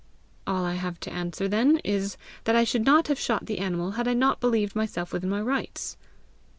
"All I have to answer then is, that I should not have shot the animal had I not believed myself within my rights."